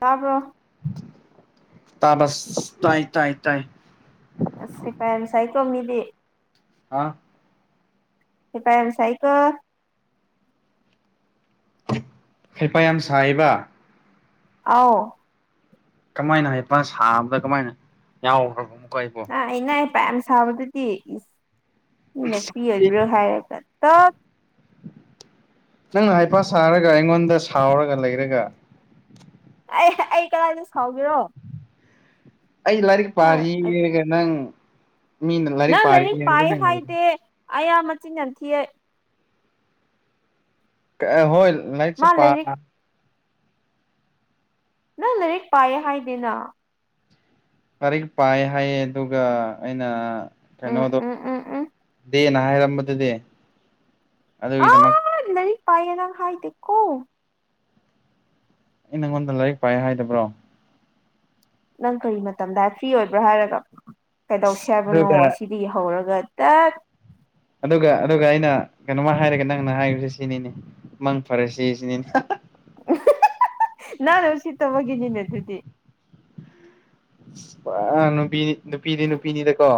ꯇꯥꯕ꯭ꯔꯣ ꯇꯕꯁ ꯇꯥꯏ ꯇꯥꯏ ꯇꯥꯏ ꯑꯁ ꯍꯩꯄ ꯌꯥꯝ ꯁꯥꯏꯀꯣꯃꯤꯗꯤ ꯑꯥ ꯍꯩꯄꯥ ꯌꯥꯝ ꯁꯥꯏꯀꯣ ꯍꯩꯄꯥ ꯌꯥꯝ ꯁꯥꯏꯕ ꯑꯥꯎ ꯀꯃꯥꯏꯅ ꯍꯩꯄ ꯁꯥꯕꯗ ꯀꯃꯥꯏꯅ ꯌꯥꯎꯈ꯭ꯔꯕꯅꯣ ꯑ ꯑꯩꯅ ꯍꯩꯏꯄꯥ ꯌꯥꯝ ꯁꯥꯕꯗꯨꯗꯤ ꯏꯁ ꯃꯤꯅ ꯐ꯭ꯔꯤ ꯑꯣꯏꯕ꯭ꯔꯣ ꯍꯥꯏꯔꯒ ꯇꯠ ꯅꯪꯅ ꯍꯩꯄꯥ ꯁꯥꯔꯒ ꯑꯩꯉꯣꯟꯗ ꯁꯥꯎꯔꯒ ꯂꯩꯔꯒ ꯑꯩ ꯑꯩ ꯀꯗꯥꯏꯗ ꯁꯥꯎꯒꯦꯔꯣ ꯑꯩ ꯂꯥꯏꯔꯤꯛ ꯅꯪ ꯄꯥꯔꯤꯒ ꯅꯪ ꯃꯤꯅ ꯅꯪ ꯄꯥꯔꯤ ꯂꯥꯏꯔꯤꯛ ꯍꯥꯏꯕ ꯄꯥꯏ ꯅꯪ ꯍꯥꯏꯗꯦ ꯑꯌꯥ ꯃꯆꯤꯟ ꯌꯥꯝ ꯊꯤꯑꯦ ꯀ ꯍꯣꯏ ꯂꯥꯏꯛꯁꯨ ꯃꯥ ꯄꯥ ꯂꯥꯏꯔꯤꯛ ꯅꯪ ꯂꯥꯏꯔꯤꯛ ꯄꯥꯏꯌꯦ ꯍꯥꯏꯗꯦꯅ ꯂꯥꯏꯔꯤꯛ ꯄꯥꯏ ꯍꯥꯏꯌꯦ ꯑꯗꯨꯒ ꯑꯩꯅ ꯑ ꯎꯝ ꯀꯩꯅꯣꯗꯣ ꯎꯝ ꯎꯝ ꯎꯝ ꯗꯦ ꯍꯥꯏꯔꯝꯕꯗꯨꯗꯤ ꯑꯗꯨꯒꯤꯗꯃꯛ ꯂꯩꯔꯤꯛ ꯄꯥꯏꯌꯦꯅ ꯅꯪ ꯍꯥꯏꯗꯦꯀꯣ ꯑꯩ ꯅꯪꯉꯣꯟꯗ ꯂꯥꯏꯔꯤꯛ ꯄꯥꯏꯅ ꯍꯥꯏꯗꯕ꯭ꯔꯣ ꯅꯪ ꯀꯔꯤ ꯃꯇꯝꯗ ꯍꯥꯏ ꯐ꯭ꯔꯤ ꯑꯣꯏꯕ꯭ꯔꯥ ꯍꯥꯏꯔꯒ ꯀꯩꯗꯧꯁꯦ ꯍꯥꯏꯕꯅꯣ ꯑꯗꯨꯒ ꯑꯁꯤꯗꯒꯤ ꯍꯧꯔꯒ ꯇꯠ ꯑꯗꯨꯒ ꯑꯗꯨꯒ ꯑꯩꯅ ꯀꯩꯅꯣꯝꯃ ꯍꯥꯏꯔꯒ ꯅꯪꯅ ꯍꯥꯏꯕꯁꯦ ꯁꯤꯅꯤꯅꯦ ꯃꯪ ꯐꯔꯁꯦ ꯁꯤꯅꯤꯅꯦ [unintelligible] ꯅꯪꯅ ꯎꯁꯤꯠꯇꯕꯒꯤꯅꯤꯅꯦ ꯑꯗꯨꯗꯤ ꯑꯁ ꯄꯨꯔꯥ ꯅꯨꯄꯤ ꯅꯨꯄꯤꯗꯤ ꯅꯨꯄꯤꯅꯤꯗꯀꯣ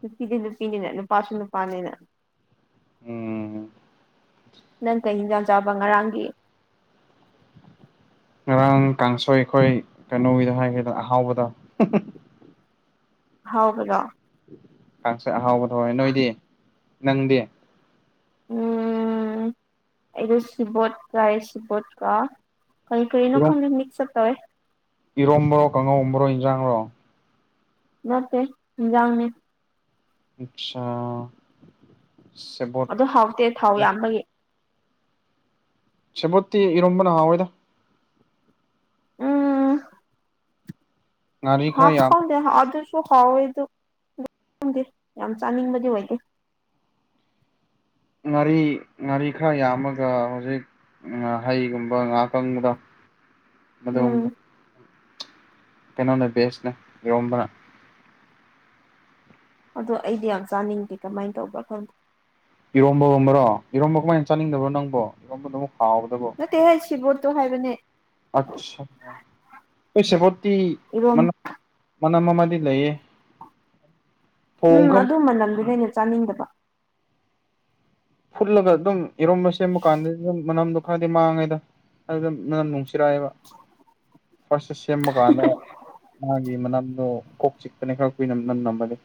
ꯅꯨꯄꯤꯗꯤ ꯅꯨꯄꯤꯅꯤꯅ ꯅꯨꯄꯥꯁꯨ ꯅꯨꯄꯥꯅꯤꯅ ꯎꯝ ꯅꯪ ꯀꯩ ꯏꯟꯁꯥꯡ ꯆꯥꯕ ꯉꯔꯥꯡꯒꯤ ꯉꯔꯥꯡ ꯀꯥꯡꯁꯣꯏ ꯑꯈꯣꯏ ꯀꯩꯅꯣꯒꯤꯗ ꯍꯥꯏꯒꯦꯕ ꯑꯍꯥꯎꯕꯗ ꯍꯥꯎꯕꯔꯣ ꯀꯥꯡꯁꯣꯏ ꯑꯍꯥꯎꯕꯗꯣ ꯍꯣꯏ ꯅꯣꯏꯗꯤ ꯅꯪꯗꯤ ꯎꯝ ꯑꯩꯗꯣ ꯁꯤꯕꯣꯠ ꯆꯥꯏ ꯁꯤꯕꯣꯠꯀ ꯀꯩ ꯀꯩ ꯅꯣ ꯈꯪꯗꯦ ꯃꯤꯛꯁ ꯑꯄ ꯇꯧꯋꯦ ꯏꯔꯣꯝꯕ꯭ꯔꯣ ꯀꯥꯡꯉꯧꯕ꯭ꯔꯣ ꯏꯟꯖꯥꯡꯔꯣ ꯅꯠꯇꯦ ꯍꯤꯟꯖꯥꯡꯅꯦ ꯑꯠꯁꯥ ꯑꯗꯣ ꯍꯥꯎꯇꯦ ꯊꯥꯎ ꯌꯥꯝꯕꯒꯤ ꯁꯦꯕꯣꯠꯇꯤ ꯏꯔꯣꯝꯕꯅ ꯍꯥꯎ ꯏꯗ ꯉꯥꯔꯤ ꯈꯔ ꯍꯥꯞ ꯌꯥꯝ ꯈꯪꯇꯦ ꯍꯥꯎꯇꯦ [unintelligible] ꯁꯥꯎꯋꯦ ꯑꯗꯨ ꯈꯪꯗꯦ ꯌꯥꯝ ꯆꯥꯅꯤꯡꯕꯗꯤ ꯑꯣꯏꯗꯦ ꯉꯥꯔꯤ ꯉꯥꯔꯤ ꯈꯔ ꯌꯥꯝꯃꯒ ꯍꯧꯖꯤꯛ ꯉꯍꯩꯒꯨꯝꯕ ꯉꯥꯀꯪꯕꯗꯣ ꯎꯝ ꯃꯗꯨꯒꯨꯝꯕ ꯀꯩꯅꯣꯅꯦ ꯕꯦꯁꯅꯦ ꯏꯔꯣꯝꯕꯅ ꯑꯗꯣ ꯑꯩꯗꯤ ꯌꯥꯝ ꯆꯥꯅꯤꯡꯗꯦ ꯀꯃꯥꯏꯅ ꯇꯧꯕ꯭ꯔꯥ ꯈꯪꯗꯦ ꯏꯔꯣꯝꯕꯒꯨꯝꯕꯔꯣ ꯏꯔꯣꯝꯕ ꯀꯃꯥꯏꯅ ꯆꯥꯅꯤꯡꯗꯕ꯭ꯔꯣ ꯅꯪꯕꯣ ꯏꯔꯣ ꯅꯠꯇꯦ ꯍꯦ ꯁꯤꯕꯣꯠꯇꯣ ꯍꯥꯏꯕꯅꯦ ꯑꯠꯆꯥ ꯈꯣꯏ ꯁꯦꯕꯣꯠꯇꯤ ꯏꯔꯣꯝ ꯃꯅꯝ ꯃꯅꯝ ꯑꯃꯗꯤ ꯂꯩꯌꯦ ꯊꯣꯡ ꯎꯝ ꯈꯔ ꯑꯗꯨ ꯃꯅꯝꯗꯨꯅꯦ ꯑꯩꯅ ꯆꯥꯅꯤꯡꯗꯕ ꯐꯨꯠꯂꯒ ꯑꯗꯨꯝ ꯏꯔꯣꯝꯕ ꯁꯦꯝꯕ ꯀꯥꯟꯗ ꯑꯗꯨꯝ ꯃꯅꯝꯗꯣ ꯈꯔꯗꯤ ꯃꯥꯡꯉꯦꯗ ꯑꯗꯨꯗ ꯃꯅꯝ ꯅꯨꯡꯁꯤ ꯆꯔꯥꯏ ꯐꯥꯔꯁꯇ ꯁꯦꯝꯕ ꯀꯥꯟꯗ ꯃꯥꯒꯤ ꯃꯅꯝꯗꯣ ꯀꯣꯛ ꯆꯤꯛꯄꯅꯦ ꯈꯔ ꯀꯨꯏꯅ ꯃꯅꯝ ꯅꯝꯑꯗꯤ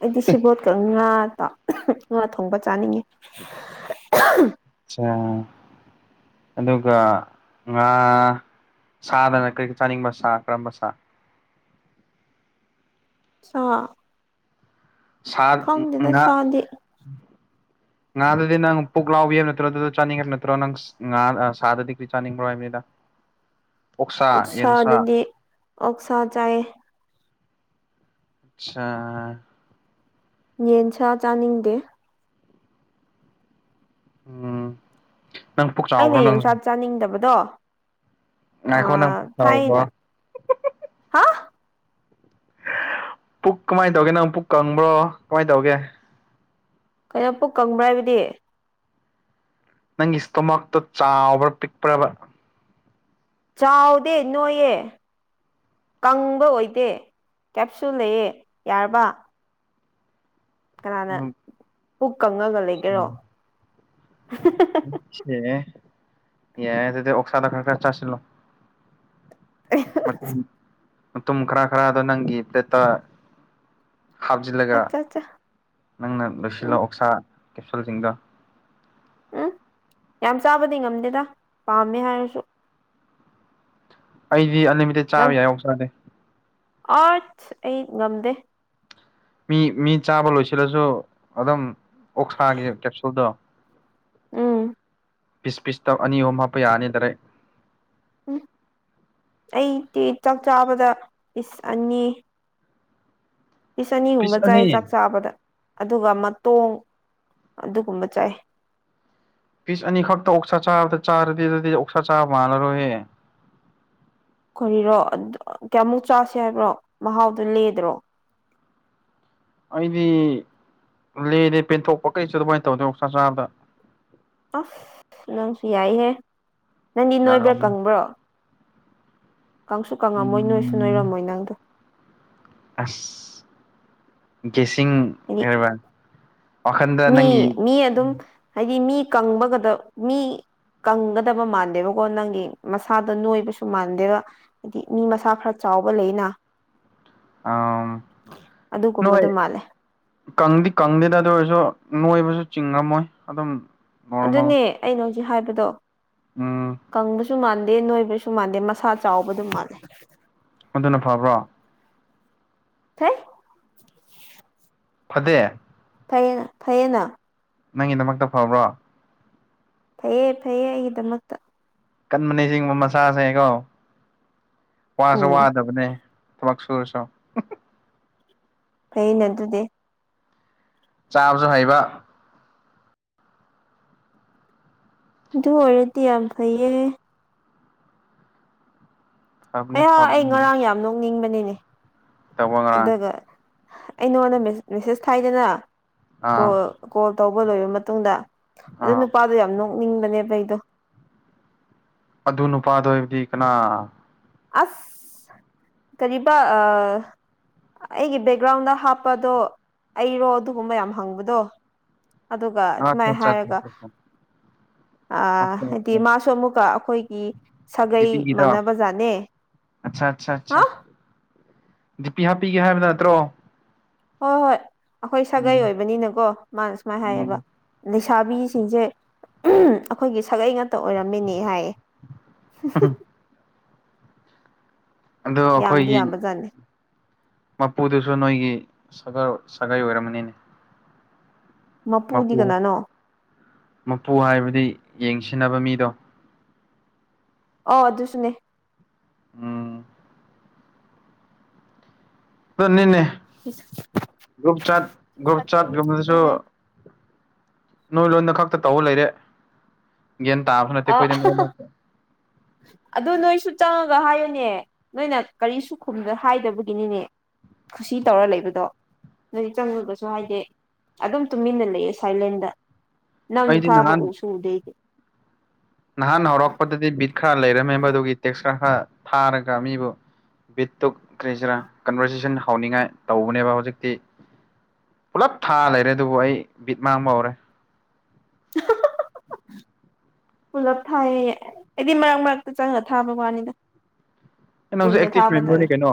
ꯑꯩꯗꯤ ꯁꯤꯕꯣꯠꯀ ꯉꯥ ꯒ ꯉꯥ ꯊꯣꯡꯕ ꯆꯥꯅꯤꯡꯉꯦ ꯑꯣ ꯑꯗꯨꯒ ꯉꯥ ꯁꯥꯗꯅ ꯀꯔꯤ ꯀꯔꯤ ꯆꯥꯅꯤꯡꯕ ꯁꯥ ꯀꯔꯝꯕ ꯁꯥ ꯁꯥ ꯁꯥ ꯈꯪꯗꯦꯗ ꯉꯥ ꯁꯥꯗꯤ ꯉꯥꯗꯗꯤ ꯅꯪ ꯄꯨꯛ ꯂꯥꯎꯕꯤꯕ ꯅꯠꯇ꯭ꯔꯣ ꯑꯗꯨꯗ ꯆꯥꯅꯤꯡꯕ꯭ꯔ ꯅꯠꯇ꯭ꯔꯣ ꯅꯪ ꯉꯥ ꯁꯥꯗꯗꯤ ꯆꯥꯅꯤꯡꯕ꯭ꯔꯣ ꯍꯥꯏꯕꯅꯤꯗ ꯑꯣꯛꯁꯥ ꯌꯦꯟꯁꯥ ꯑꯣꯛꯁꯥꯗꯗꯤ ꯑꯣꯛꯁꯥ ꯆꯥꯏꯌꯦ ꯁꯥ ꯌꯦꯟꯁꯥ ꯆꯥꯅꯤꯡꯗꯦ ꯎꯝ ꯅꯪ ꯄꯨꯛ ꯑꯩꯅ ꯆꯥꯎꯕ꯭ꯔꯣ ꯅꯪ ꯌꯦꯡꯁꯥ ꯆꯥꯅꯤꯡꯗꯕꯗꯣ ꯉꯥꯈꯣ ꯅꯪ ꯊꯥꯏꯅ [unintelligible] ꯍꯥ ꯄꯨꯛ ꯀꯃꯥꯏꯅ ꯇꯧꯒꯦ ꯅꯪ ꯄꯨꯛ ꯀꯪꯕ꯭ꯔꯣ ꯀꯃꯥꯏ ꯇꯧꯒꯦ ꯀꯩꯅꯣ ꯄꯨꯛ ꯀꯪꯕ꯭ꯔꯥ ꯍꯥꯏꯕꯗꯤ ꯅꯪꯒꯤ ꯏꯁꯇꯣꯃꯥꯛꯇꯣ ꯆꯥꯎꯕ꯭ꯔꯥ ꯄꯤꯛꯄ꯭ꯔꯥꯕ ꯆꯥꯎꯗꯦ ꯅꯣꯏꯌꯦ ꯀꯪꯕ ꯑꯣꯏꯗꯦ ꯀꯦꯞꯁꯨ ꯂꯩꯌꯦ ꯌꯥꯔꯕ ꯀꯅꯥꯅ ꯄꯨꯛ ꯀꯪꯉꯒ ꯂꯩꯒꯦꯔꯣ ꯌꯥꯑꯦꯗꯨꯗꯤ ꯑꯣꯛꯁꯥꯗꯣ ꯈꯔ ꯈꯔ ꯆꯥꯁꯤꯂꯣ ꯃꯇꯨꯝ ꯃꯇꯨꯝ ꯈꯔ ꯈꯔꯗꯣ ꯅꯪꯒꯤ ꯄ꯭ꯂꯦꯠꯇ ꯍꯥꯞꯆꯜꯂꯒ ꯑꯠꯆꯥ ꯑꯠꯆꯥ ꯅꯪꯅ ꯂꯣꯏꯁꯤꯜꯂꯣ ꯎꯝ ꯑꯣꯛꯁꯥ ꯀꯦꯞꯁꯨꯜꯁꯤꯡꯗꯣ ꯎꯝ ꯌꯥꯝ ꯆꯥꯕꯗꯤ ꯉꯝꯗꯦꯗ ꯄꯥꯝꯃꯦ ꯍꯥꯏꯔꯁꯨ ꯑꯩꯗꯤ ꯑꯟꯂꯤꯃꯤꯇꯦꯠ ꯆꯥꯕ ꯌꯥꯏ ꯑꯣꯛꯁꯥꯗꯤ ꯑꯁ ꯑꯩ ꯉꯝꯗꯦ ꯃꯤ ꯃꯤ ꯆꯥꯕ ꯂꯣꯏꯁꯤꯜꯂꯁꯨ ꯑꯗꯨꯝ ꯑꯣꯛꯁꯥꯒꯤ ꯀꯦꯞꯁꯨꯜꯗꯣ ꯎꯝ ꯄꯤꯁ ꯄꯤꯁꯇ ꯑꯅꯤ ꯑꯍꯨꯝ ꯍꯥꯞꯄ ꯌꯥꯅꯤ ꯗꯥꯏꯔꯦꯛ ꯎꯝ ꯑꯩꯗꯤ ꯆꯥꯛ ꯆꯥꯕꯗ ꯄꯤꯁ ꯑꯅꯤ ꯄꯤꯁ ꯑꯅꯤꯒꯨꯝꯕ ꯆꯥꯏ ꯆꯥꯛ ꯆꯥꯕꯗ ꯑꯗꯨꯒ ꯃꯇꯣꯡ ꯑꯗꯨꯒꯨꯝꯕ ꯆꯥꯏ ꯄꯤꯁ ꯑꯅꯤꯈꯛꯇ ꯑꯣꯛꯁꯥ ꯆꯥꯕꯗ ꯆꯥꯔꯗꯤ ꯑꯗꯨꯗꯤ ꯑꯣꯛꯁꯥ ꯆꯥꯕ ꯃꯥꯟꯜꯂꯔꯣꯏꯍꯦ ꯀꯔꯤꯔꯣ ꯀꯌꯥꯝꯃꯨꯛ ꯆꯥꯁꯦ ꯍꯥꯏꯕ꯭ꯔꯣ ꯃꯍꯥꯎꯗꯣ ꯂꯦꯗ꯭ꯔꯣ [inaudible] ꯑꯩꯗꯤ ꯂꯦꯔꯦ ꯄꯦꯟꯊꯣꯛꯄ ꯀꯩꯁꯨ ꯑꯗꯨꯃꯥꯏꯅ ꯇꯧꯗꯦ ꯑꯣꯛꯁꯥ ꯆꯥꯕꯗ ꯑꯁ ꯅꯪꯁꯨ ꯌꯥꯏꯍꯦ ꯅꯪꯗꯤ ꯅꯣꯏꯕ꯭ꯔꯥ ꯌꯥꯝꯅ ꯀꯪꯕ꯭ꯔꯣ ꯀꯪꯁꯨ ꯀꯪꯉꯝꯃꯣꯏ ꯅꯣꯏꯁꯨ ꯎꯝ ꯅꯣꯏꯔꯝꯃꯣꯏ ꯅꯪꯗꯣ ꯑꯁ ꯒꯦꯁꯤꯡ ꯍꯥꯏꯗꯤ ꯍꯥꯏꯕ꯭ꯔꯥ ꯃꯤ ꯃꯤ ꯑꯗꯨꯝ ꯍꯥꯏꯗꯤ ꯃꯤ ꯀꯪꯕꯒꯗꯣ ꯃꯤ ꯀꯪꯒꯗꯕ ꯃꯥꯟꯗꯦꯕꯀꯣ ꯅꯪꯒꯤ ꯃꯁꯥꯗ ꯅꯣꯏꯕꯁꯨ ꯃꯥꯟꯗꯦꯕ ꯍꯥꯏꯗꯤ ꯃꯤ ꯃꯁꯥ ꯈꯔ ꯆꯥꯎ ꯆꯥꯎꯕ ꯂꯩꯑꯦꯅ ꯑꯝ ꯅꯣꯏ ꯃꯥꯜꯂꯦ ꯀꯪꯗꯤ ꯀꯪꯗꯦꯗ ꯑꯗꯨ ꯑꯣꯏꯔꯁꯨ ꯅꯣꯏꯕꯁꯨ ꯆꯤꯡꯉꯝꯃꯣꯏ ꯑꯗꯨꯝ ꯅꯣꯔꯃꯦꯜ ꯑꯗꯨꯅꯦ ꯑꯩꯅ ꯍꯧꯖꯤꯛ ꯍꯥꯏꯕꯗꯣ ꯎꯝ ꯁꯨ ꯃꯥꯟꯗꯦ ꯅꯣꯏꯕꯁꯨ ꯃꯥꯟꯗꯦ ꯃꯁꯥ ꯆꯥꯎꯕ ꯑꯗꯨ ꯃꯥꯟꯂꯦ ꯑꯗꯨꯅ ꯐꯕ꯭ꯔꯣ ꯍꯩꯠ ꯐꯗꯦ ꯐꯩꯌꯦ ꯐꯩꯌꯦꯅ ꯅꯪꯒꯤꯗꯃꯛꯇ ꯐꯕ꯭ꯔꯣ ꯐꯩꯌꯦ ꯐꯩꯌꯦ ꯑꯩꯒꯤꯗꯃꯛꯇ ꯀꯟꯕꯅꯦ ꯁꯤꯒꯨꯝꯕ ꯃꯆꯥꯥꯁꯦꯀꯣ ꯋꯥꯁꯨ ꯎꯝ ꯋꯥꯗꯕꯅꯦ ꯊꯕꯛꯁꯨ ꯁꯨꯔꯁꯨ ꯐꯩꯑꯦꯅ ꯑꯗꯨꯗꯤ ꯆꯥꯕꯁꯨ ꯍꯩꯕ ꯑꯗꯨ ꯑꯣꯏꯔꯗꯤ ꯌꯥꯝ ꯐꯩꯌꯦ ꯐꯕꯅꯤ ꯑꯩꯌꯥ ꯑꯩ ꯐꯕꯅꯤ ꯉꯔꯥꯡ ꯌꯥꯝ ꯅꯣꯛꯅꯤꯡꯕꯅꯤ ꯇꯧꯕ ꯉꯔꯥꯡ ꯑꯩ ꯅꯉꯣꯟꯗ ꯃꯦ ꯃꯦꯁꯦ ꯊꯥꯏꯗꯅ ꯑꯥ ꯀꯣꯜ ꯀꯣꯜ ꯇꯧꯕ ꯂꯣꯏꯔꯕ ꯃꯇꯨꯡꯗ ꯑꯗꯨ ꯑꯥ ꯅꯨꯄꯥꯗꯣ ꯌꯥꯝ ꯅꯣꯛꯅꯤꯡꯕꯅꯦꯕ ꯑꯩꯗꯣ ꯑꯗꯨ ꯅꯨꯄꯥꯗꯣ ꯍꯥꯏꯕꯗꯤ ꯀꯅꯥ ꯑꯁ ꯀꯔꯤꯕꯥ ꯑꯥ ꯑꯩꯒꯤ ꯕꯦꯛꯒ꯭ꯔꯥꯎꯟꯗ ꯍꯥꯞꯄꯗꯣ ꯑꯩꯔꯣ ꯑꯗꯨꯒꯨꯝꯕ ꯌꯥꯝ ꯍꯪꯕꯗꯣ ꯑꯗꯨꯒ ꯁꯨꯃꯥꯏ ꯑꯠꯆꯥ ꯍꯥꯏꯔꯒ ꯑꯠꯆꯥ ꯑꯥ ꯑꯣꯀꯦ ꯍꯥꯏꯗꯤ ꯑꯣꯀꯦ ꯃꯥꯁꯨ ꯑꯃꯨꯛꯀ ꯑꯈꯣꯏꯒꯤ ꯁꯥꯒꯩ ꯃꯥꯟꯅꯕ ꯖꯥꯠꯅꯦ ꯑꯠꯁꯥ ꯁꯥ ꯁꯥ ꯗꯤꯄꯤ ꯍꯥꯞꯄꯤꯒꯦ ꯍꯥꯏꯕ ꯅꯠꯇ꯭ꯔꯣ ꯍꯣꯏ ꯍꯣꯏ ꯑꯈꯣꯏ ꯁꯥꯒꯩ ꯎꯝ ꯑꯣꯏꯕꯅꯤꯅꯀꯣ ꯃꯥꯅ ꯁꯨꯃꯥꯏ ꯍꯥꯏꯌꯦꯕ ꯎꯝ ꯁꯥꯕꯤꯁꯤꯡꯁꯦ ꯑꯈꯣꯏꯒꯤ ꯁꯥꯂꯏ ꯉ ꯇ ꯑꯣꯏꯔꯝꯃꯦꯅꯦ ꯍꯥꯏꯌꯦ ꯑꯗꯣ ꯌꯥꯝꯗꯤ ꯑꯩꯈꯣꯏꯒꯤ ꯌꯥꯝꯕꯖꯥꯠꯅꯤ ꯃꯄꯨꯗꯨꯁꯨ ꯅꯣꯏꯒꯤ ꯁꯥꯒ ꯁꯥꯒꯩ ꯑꯣꯏꯔꯝꯃꯅꯤꯅꯦ ꯃꯄꯨꯗꯤ ꯃꯄꯨ ꯀꯅꯥꯅꯣ ꯃꯄꯨ ꯍꯥꯏꯕꯗꯤ ꯌꯦꯡꯁꯤꯟꯅꯕ ꯃꯤꯗꯣ ꯑꯣ ꯑꯗꯨꯁꯨꯅꯦ ꯎꯝ ꯑꯗꯨꯅꯤꯅꯦ ꯒ꯭ꯔꯨꯞ ꯆꯥꯠ ꯒ꯭ꯔꯨꯞ ꯆꯥꯠ ꯒꯨꯝꯕꯗꯁꯨ ꯅꯣꯏ ꯂꯣꯟꯗ ꯈꯛꯇ ꯇꯧ ꯂꯩꯔꯦ ꯒ꯭ꯌꯥꯟ ꯇꯥꯕ ꯅꯠꯇꯦ ꯑ ꯑꯈꯣꯏꯗꯤ ꯃꯔꯛ [inaudible] ꯑꯗꯨ ꯅꯣꯏꯁꯨ ꯆꯪꯉꯒ ꯍꯥꯏꯌꯨꯅꯦ ꯅꯣꯏꯅ ꯀꯔꯤꯁꯨ ꯈꯨꯝꯗ ꯍꯥꯏꯗꯕꯒꯤꯅꯤꯅꯦ ꯈꯨꯁꯤ ꯇꯧꯔ ꯂꯩꯕꯗꯣ ꯅꯣꯏꯗꯤ ꯆꯪꯉꯒꯁꯨ ꯍꯥꯏꯗꯦ ꯑꯗꯨꯝ ꯇꯨꯃꯤꯟꯅ ꯂꯩꯌꯦ ꯁꯥꯏꯂꯦꯟꯗ ꯅꯪ ꯑꯩꯗꯤ ꯊꯥꯕ ꯅꯍꯥꯟ ꯎꯁꯨ ꯎꯗꯦ ꯑꯩꯗꯤ ꯈ ꯂꯩꯔꯝꯃꯦ ꯃꯗꯨꯒꯤ ꯇꯦꯛꯁ ꯀ ꯈꯔ ꯊꯥꯔꯒ ꯃꯤꯕꯨ ꯕꯤꯠ ꯇꯨ ꯀ꯭ꯔꯤꯁꯤꯔꯥ ꯀꯟꯚꯔꯖꯦꯁꯟ ꯍꯥꯎꯅꯤꯡꯉꯥꯏ ꯇꯧꯕꯅꯦꯕꯥ ꯍꯧꯖꯤꯛꯇꯤ ꯄꯨꯂꯞ ꯊꯥ ꯂꯩꯔꯦ ꯑꯗꯨꯕꯨ ꯑꯩ ꯕꯤꯠ ꯃꯥꯡꯕ ꯍꯧꯔꯦ ꯑꯍꯥ ꯍꯥ ꯍꯥ ꯄꯨꯂꯞ ꯊꯥꯏꯌꯦ ꯑꯩꯗꯤ ꯃꯔꯛ ꯃꯔꯛꯇ ꯆꯪꯉꯒ ꯊꯥꯕ ꯋꯥꯅꯤꯗ ꯅꯪꯖꯨ ꯀꯨꯏꯅ ꯑꯦꯛꯇꯤꯚ ꯊꯥꯕ ꯃꯦꯝꯕꯔꯅꯤ ꯇꯜꯂꯦ ꯀꯩꯅꯣ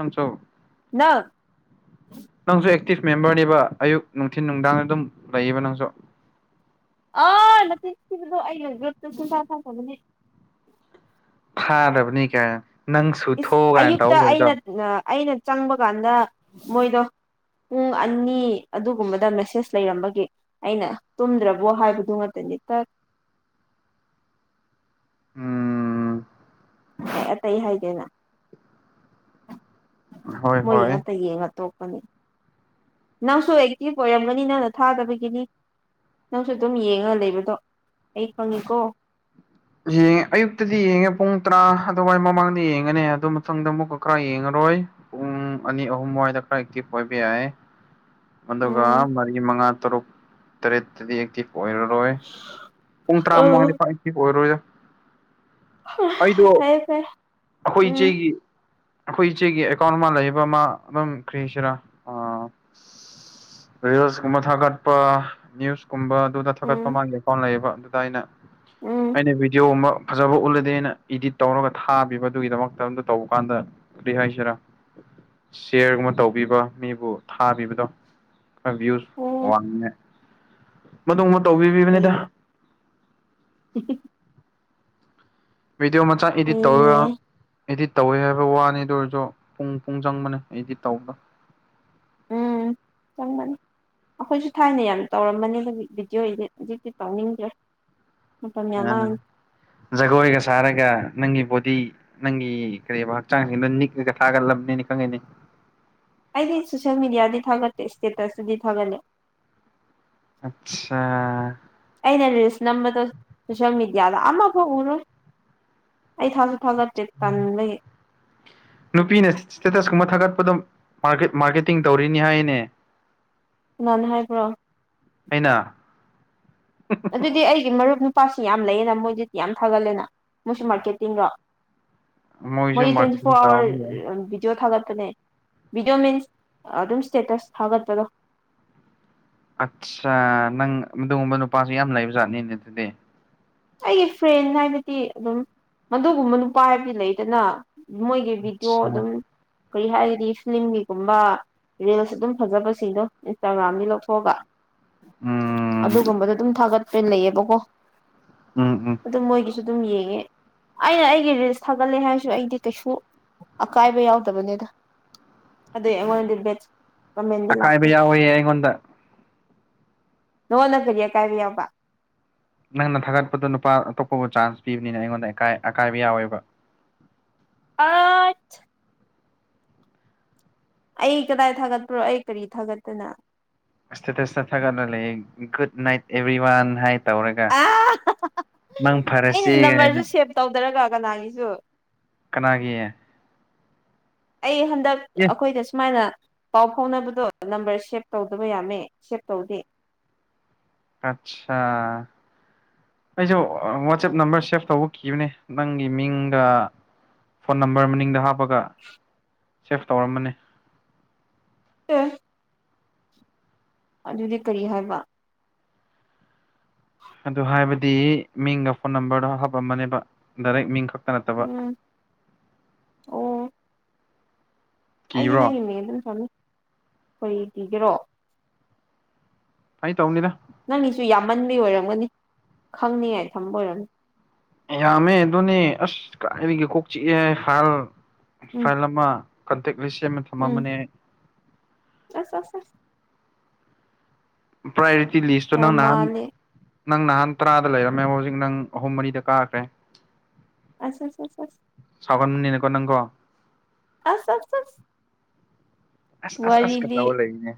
ꯅꯪꯁꯨ ꯅꯪ ꯅꯪꯁꯨ ꯑꯦꯛ ꯇꯤꯐ ꯃꯦꯝꯕꯔꯅꯦꯕꯥ ꯑꯌꯨꯛ ꯅꯨꯡꯊꯤꯟ ꯅꯨꯡꯗꯥꯡꯗ ꯑꯗꯨꯝ ꯂꯩꯌꯦꯕ ꯅꯪꯁꯨ ꯑꯥ ꯅꯆꯤꯟ ꯊꯤꯕꯗꯣ ꯑꯩꯅ ꯒ꯭ꯔꯨꯞꯇ ꯁꯨꯡꯊꯥ ꯊꯥꯗꯕꯅꯦ ꯊꯥꯗꯕꯅꯤ ꯀꯥꯏ ꯑꯌꯨꯛꯇ ꯑꯩꯅ ꯅ ꯑꯩꯅ ꯆꯪꯕ ꯀꯥꯟꯗ ꯃꯣꯏꯗꯣ ꯄꯨꯡ ꯑꯅꯤ ꯑꯗꯨꯒꯨꯝꯕꯗ ꯃꯦꯁꯦꯖ ꯂꯩꯔꯝꯕꯒꯤ ꯑꯩꯅ ꯇꯨꯝꯗ꯭ꯔꯕꯣ ꯍꯥꯏꯕꯗꯨ ꯉꯥꯇꯅꯤ ꯏꯇ ꯎꯝ ꯑꯇꯩ ꯍꯥꯏꯗꯦꯅꯥ ꯍꯣꯏ ꯃꯣꯏꯒꯤ ꯍꯣꯏ ꯉꯥꯛꯇ ꯌꯦꯡꯉ ꯇꯣꯛ ꯅꯪꯁꯨ ꯑꯦꯛꯇꯤꯚ ꯑꯣꯏꯔꯝꯒꯅꯤ ꯅꯪꯅ ꯊꯥꯗꯕꯒꯤꯅꯤ ꯅꯪꯁꯨ ꯑꯗꯨꯝ ꯌꯦꯡꯉꯒ ꯂꯩꯕꯗꯣ ꯑꯩ ꯈꯪꯉꯤꯀꯣ ꯌꯦꯡꯉꯦ ꯑꯌꯨꯛꯇꯗꯤ ꯌꯦꯡꯉꯦ ꯄꯨꯡ ꯇꯔꯥ ꯑꯗꯨꯋꯥꯏ ꯃꯃꯥꯡꯗ ꯌꯦꯡꯉꯅꯤ ꯑꯗꯨ ꯃꯇꯨꯡꯗ ꯑꯃꯨꯛꯀ ꯈꯔ ꯌꯦꯡꯉ ꯑꯣꯏ ꯄꯨꯡ ꯑꯅꯤ ꯑꯍꯨꯝ ꯋꯥꯏꯗ ꯈꯔ ꯑꯦꯛꯇꯤꯚ ꯑꯣꯏꯕ ꯌꯥꯏ ꯑꯗꯨꯒ ꯎꯝ ꯃꯔꯤ ꯃꯉꯥ ꯇꯔꯨꯛ ꯇꯔꯦꯠꯇꯗꯤ ꯑꯦꯛꯇꯤꯚ ꯑꯣꯏꯔꯔꯣꯏ [inaudible] ꯄꯨꯡ ꯇꯔꯥ ꯃꯉꯥꯗꯤ ꯄꯥꯛ ꯑꯦꯛꯇꯤꯚ ꯑꯣꯏꯔꯣꯏꯗ ꯑꯩꯗꯣ ꯐꯩ ꯐꯩ ꯑꯈꯣꯏ ꯎꯝ ꯏꯆꯦꯒꯤ ꯑꯈꯣꯏ ꯏꯆꯦꯒꯤ ꯑꯦꯀꯥꯎꯟ ꯑꯃ ꯂꯩꯕ ꯑꯃ ꯑꯗꯨꯝ ꯀ꯭ꯔꯤꯁꯤꯔꯥ ꯑꯥ ꯔꯤꯜꯁ ꯀꯨꯝꯕ ꯊꯥꯒꯠꯄ ꯅ꯭ꯌꯨꯁ ꯀꯨꯨꯝꯕ ꯑꯗꯨꯗ ꯊꯥꯒꯠꯄ ꯎꯝ ꯃꯥꯒꯤ ꯑꯦꯀꯥꯎꯟ ꯂꯩꯌꯦꯕ ꯑꯗꯨꯗ ꯑꯩꯅ ꯎꯝ ꯑꯩꯅ ꯚꯤꯗꯤꯑꯣ ꯑꯃ ꯐꯖꯕ ꯎꯠꯂꯗꯤ ꯑꯩꯅ ꯏꯗꯤꯠ ꯇꯧꯔꯒ ꯊꯥꯕꯤꯕꯗꯨꯒꯤꯗꯃꯛꯇ ꯑꯝꯇ ꯇꯧꯕ ꯀꯥꯟꯗ ꯀ꯭ꯔꯤ ꯍꯥꯏꯁꯤꯔꯥ ꯁꯤꯌꯔꯒꯨꯝꯕ ꯇꯧꯕꯤꯕ ꯃꯤꯕꯨ ꯊꯥꯕꯤꯕꯗꯣ ꯈꯔ ꯕꯤꯌꯨꯁ ꯑꯣ ꯋꯥꯡꯅꯤꯉꯥꯏ ꯃꯗꯨꯃꯕ ꯇꯧꯕꯤꯕꯅꯤꯗ [unintelligible] ꯚꯤꯗꯤꯑꯣ ꯃꯆꯥ ꯏꯗꯤꯠ ꯐꯩꯅꯦ ꯇꯧꯔꯨꯔꯥꯎ ꯏꯗꯤꯠ ꯇꯧꯋꯦ ꯍꯥꯏꯕ ꯋꯥꯅꯤ ꯑꯗꯨ ꯑꯣꯏꯔꯁꯨ ꯄꯨꯡ ꯄꯨꯡ ꯆꯪꯕꯅꯦ ꯏꯗꯤꯠ ꯇꯧꯕ ꯎꯝ ꯆꯪꯕꯅꯦ ꯑꯩꯈꯣꯏꯁꯨ ꯊꯥꯏꯅ ꯌꯥꯝ ꯇꯧꯔꯝꯕꯅꯦꯕ ꯚꯤꯗꯤꯑꯣ ꯏꯗꯤꯠ ꯍꯧꯖꯤꯛꯇꯤ ꯇꯧꯅꯤꯡꯗ꯭ꯔꯦ ꯃꯇꯝ ꯌꯥꯝ ꯑꯥ ꯃꯥꯡꯉꯦ ꯖꯒꯣꯏꯒ ꯁꯥꯔꯒ ꯅꯪꯒꯤ ꯕꯣꯗꯤ ꯅꯪꯒꯤ ꯀꯔꯤꯕ ꯍꯛꯆꯥꯡꯁꯤꯗꯣ ꯅꯤꯛꯂꯒ ꯊꯥꯒꯠꯂꯝꯅꯤꯅꯦ ꯈꯪꯉꯤꯅꯦ ꯑꯩꯗꯤ ꯁꯣꯁꯤꯌꯦꯜ ꯃꯦꯗꯤꯌꯥꯗꯗꯤ ꯊꯥꯒꯠꯇꯦ ꯏꯁꯇꯦꯇꯁꯇꯗꯤ ꯊꯥꯒꯠꯂꯦ ꯑꯠꯁꯥ ꯑꯩꯅ ꯔꯤꯜꯁ ꯅꯝꯕꯗꯣ ꯁꯣꯁꯤꯌꯦꯜ ꯃꯦꯗꯤꯌꯥ ꯑꯃꯐꯥꯎ ꯎꯔꯣꯏ ꯑꯩ ꯊꯥꯒꯠ ꯅꯨꯄꯤꯅ ꯏꯁꯇꯦꯇꯁ ꯀꯨꯝꯕ ꯊꯥꯒꯠ ꯑꯗꯨꯝ ꯃꯥꯔꯀꯦ ꯃꯥꯔꯀꯦꯇꯤꯡ ꯇꯧꯔꯤꯅꯤ ꯍꯥꯏꯅꯦ ꯀꯅꯥꯅ ꯍꯥꯏꯕ꯭ꯔꯣ ꯑꯩꯅ ꯑꯗꯨꯗꯤ ꯑꯩꯒꯤ ꯃꯔꯨꯞ ꯅꯨ ꯄꯥꯁꯨ ꯌꯥꯝ ꯂꯩꯌꯦꯅ ꯃꯣꯏꯗꯨꯗꯤ ꯌꯥꯝ ꯊꯥꯒꯠꯂꯦꯅ ꯃꯣꯏꯁꯨ ꯃꯥꯔꯀꯦꯠꯇꯤꯡꯂꯣ ꯃꯣꯏꯁꯨ ꯃꯣꯏꯗꯤ ꯇ꯭ꯋꯦꯟꯇꯤ ꯃꯥꯔꯀꯦꯇꯤꯡ ꯐꯣꯔ ꯑꯋꯥꯔ ꯇꯧꯔꯝꯕ ꯌꯥꯏ ꯚꯤꯗꯤꯑꯣ ꯊꯥꯒꯠ ꯄꯅꯦ ꯚꯤꯗꯤꯑꯣ ꯃꯤꯟꯁ ꯑꯗꯨꯝ ꯁ꯭ꯇꯦꯇꯁ ꯊꯥꯒꯠꯄꯗꯣ ꯑꯠꯁꯥ ꯅꯪ ꯃꯗꯨꯒꯨꯝꯕ ꯅꯨꯄꯥꯁꯨ ꯌꯥꯝ ꯂꯩꯕꯖꯥꯠꯅꯤꯅꯦ ꯑꯗꯨꯗꯤ ꯑꯩꯒꯤ ꯐ꯭ꯔꯦꯟ ꯍꯥꯏꯕꯗꯤ ꯑꯗꯨꯝ ꯃꯗꯨꯒꯨꯝꯕ ꯅꯨꯄꯥ ꯍꯥꯏꯕꯗꯤ ꯂꯩꯗꯅ ꯃꯣꯏꯒꯤ ꯚꯤꯗꯤꯑꯣ ꯑꯠꯆꯥ ꯑꯗꯨꯝ ꯀꯔꯤ ꯍꯥꯏꯔꯗꯤ ꯐꯤꯂꯝꯒꯤꯒꯨꯝꯕ ꯔꯤꯜꯁ ꯑꯗꯨꯝ ꯐꯖꯕꯁꯤꯡꯗꯣ ꯏꯟꯁꯇꯥꯒ꯭ꯔꯥꯝꯗꯒꯤ ꯂꯧꯊꯣꯛꯑꯒ ꯎꯝ ꯑꯗꯨꯒꯨꯝꯕꯗꯣ ꯑꯗꯨꯝ ꯊꯥꯒꯠꯄ ꯂꯩꯌꯦꯕꯀꯣ ꯎꯝ ꯎꯝ ꯑꯗꯨꯝ ꯃꯣꯏꯒꯤꯁꯨ ꯑꯗꯨꯝ ꯌꯦꯡ ꯉꯦ ꯑꯩꯅ ꯑꯩꯒꯤ ꯔꯤꯜꯁ ꯊꯥꯒꯠꯂꯦ ꯍꯥꯏꯔꯁꯨ ꯑꯩꯗꯤ ꯀꯩꯁꯨ ꯑꯀꯥꯏꯕ ꯌꯥꯎꯗꯕꯅꯦꯗ ꯑꯗꯨꯏ ꯑꯩꯉꯣꯟꯗꯗꯤ ꯕꯦꯠꯁ ꯑꯀꯥꯏꯕ ꯌꯥꯎꯋꯦ ꯑꯩꯉꯣꯟꯗ ꯅꯪꯉꯣꯟꯗ ꯀꯔꯤ ꯑꯀꯥꯏꯕ ꯌꯥꯎꯕ ꯅꯪꯅ ꯊꯥꯒꯠꯄꯗꯨ ꯅꯨꯄꯥ ꯑꯇꯣꯞꯄꯕꯨ ꯆꯥꯟꯁ ꯄꯤꯕꯅꯤꯅ ꯑꯩꯉꯣꯟꯗ ꯏꯀꯥꯏ ꯑꯀꯥꯏꯕ ꯌꯥꯎꯋꯦꯕ ꯑꯁ ꯑꯩ ꯀꯗꯥꯏ ꯊꯥꯒꯠꯄ꯭ꯔꯣ ꯑꯩ ꯀꯔꯤ ꯊꯥꯒꯠꯇꯅ ꯁ꯭ꯇꯦꯇꯁꯇ ꯊꯒꯠꯂ ꯂꯩꯌꯦ ꯒꯨꯠ ꯅꯥꯏꯠ ꯑꯦꯕ꯭ꯔꯤ ꯋꯥꯟ ꯍꯥꯏꯅ ꯑ ꯑꯍ ꯑꯩꯅ ꯐꯔꯁꯦ ꯅꯝꯕꯔꯁꯨ ꯀꯥꯏꯅ ꯁꯦꯚ ꯇꯧꯗꯔꯒ ꯀꯅꯥꯒꯤꯁꯨ ꯀꯅꯥꯒꯤ ꯑꯩ ꯍꯟꯗꯛ ꯑꯦ ꯑꯈꯣꯏꯗ ꯁꯨꯃꯥꯏꯅ ꯄꯥꯎ ꯐꯥꯎꯅꯕꯗꯣ ꯅꯝꯕꯔ ꯁꯦꯚ ꯇꯧꯗꯕ ꯌꯥꯝꯃꯦ ꯁꯦꯚ ꯇꯧꯗꯦ ꯑꯠꯁꯥ ꯑꯩꯁꯨ ꯋꯥꯆꯦꯞ ꯅꯝꯕꯔ ꯁꯦꯐ ꯇꯧꯕ ꯀꯤꯕꯅꯦ ꯅꯪꯒꯤ ꯃꯤꯡꯒ ꯐꯣꯟ ꯅꯝꯕꯔ ꯃꯅꯤꯡꯗ ꯍꯥꯞꯄꯒ ꯁꯦꯐ ꯇꯧꯔꯝꯕꯅꯦ ꯑꯦ ꯑꯗꯨꯗꯤ ꯀꯔꯤ ꯍꯥꯏꯕ ꯑꯗꯨ ꯍꯥꯏꯕꯗꯤ ꯃꯤꯡꯒ ꯐꯣꯟ ꯅꯝꯕꯔꯗꯣ ꯍꯥꯞꯄꯝꯕꯅꯦꯕ ꯗꯥꯏꯔꯦꯛ ꯃꯤꯡ ꯈꯛ ꯎꯝ ꯑꯣ ꯑꯩꯗꯤ ꯀꯤꯕ꯭ꯔꯣ ꯅꯪꯒꯤ ꯃꯤꯡ ꯑꯗꯨꯝ ꯊꯝꯃꯤ ꯀꯔꯤ ꯀꯤꯒꯦꯔꯣ ꯐꯥꯒꯤ ꯇꯧꯅꯤꯗ ꯅꯪꯒꯤꯁꯨ ꯌꯥꯝꯃꯟꯕꯤ ꯑꯣꯏꯔꯝꯒꯅꯤ ꯈꯪꯅꯤꯉꯥꯏ ꯊꯝꯕ ꯑꯣꯏꯔꯝꯅꯤ ꯌꯥꯝꯃꯦ ꯑꯗꯨꯅꯦ ꯑꯁ ꯀꯗꯥꯏꯗꯒꯤ ꯀꯣꯛ ꯆꯤꯛꯑꯦ ꯍꯥꯜ ꯎꯝ ꯐꯥꯏꯜ ꯑꯃ ꯀꯟꯇꯦꯛ ꯂꯤꯁ ꯁꯦꯝꯃ ꯎꯝ ꯊꯝꯃꯕꯅꯦ ꯑꯩ ꯑꯁ ꯑꯁ ꯑꯁ ꯄ꯭ꯔꯥꯏꯑꯣꯔꯤꯇꯤ ꯂꯤꯁꯇꯣ ꯅꯪ ꯌꯥꯝ ꯅꯍꯥꯟ ꯃꯥꯜꯂꯦ ꯅꯪ ꯅꯍꯥꯟ ꯇꯔꯥꯗ ꯂꯩꯔꯝꯃꯦ ꯍꯧꯖꯤꯛ ꯅꯪ ꯑꯍꯨꯝ ꯃꯔꯤꯗ ꯀꯥꯈ꯭ꯔꯦ ꯑꯁ ꯑꯁ ꯑꯁ ꯀꯥꯎꯒꯟꯕꯅꯤꯅ ꯀꯣ ꯅꯪꯀꯣ ꯑꯁ ꯑꯁ ꯑꯁ ꯑꯁ ꯑꯁ ꯑꯁ ꯀ ꯋꯥꯔꯤꯗꯤ ꯇꯧꯔ ꯂꯩꯅꯦ